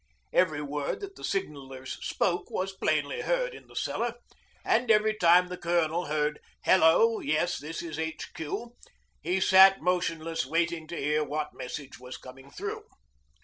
Every word that the signallers spoke was plainly heard in the cellar, and every time the Colonel heard 'Hello! Yes, this is H.Q.,' he sat motionless waiting to hear what message was coming through.